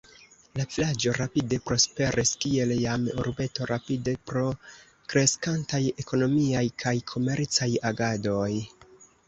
La vilaĝo rapide prosperis kiel jam urbeto rapide pro kreskantaj ekonomiaj kaj komercaj agadoj.